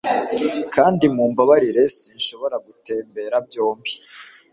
Kandi mumbabarire sinshobora gutembera byombi